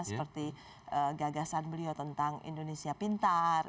seperti gagasan beliau tentang indonesia pintar